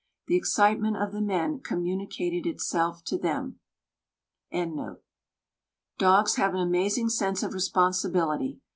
The excitement of the men communicated itself to them. Dogs have an amazing sense of responsibility.